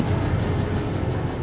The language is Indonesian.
om baik habisin